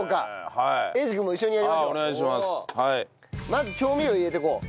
まず調味料入れていこう。